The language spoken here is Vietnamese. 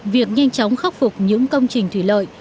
việc nhanh chóng khắc phục những công trình thủy lợi